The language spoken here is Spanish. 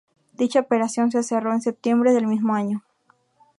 Dicha operación se cerró en septiembre del mismo año.